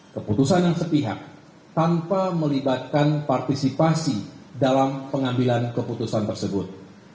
keputusan yang sepihak tanpa melibatkan partisipasi dalam pengambilan keputusan tersebut